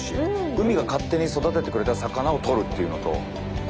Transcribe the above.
海が勝手に育ててくれた魚をとるっていうのと。